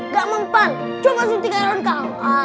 gak mempan coba suntik iron call